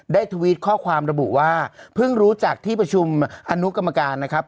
ทวิตข้อความระบุว่าเพิ่งรู้จักที่ประชุมอนุกรรมการนะครับ